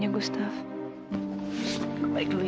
aku akan menerima itu